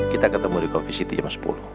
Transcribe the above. kita ketemu di coffee city jam sepuluh